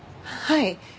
はい。